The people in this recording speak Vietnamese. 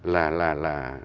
là là là